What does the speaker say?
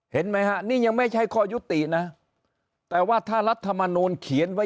เห็นไหมฮะนี่ยังไม่ใช่ข้อยุตินะแต่ว่าถ้ารัฐมนูลเขียนไว้